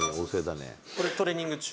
これ、トレーニング中？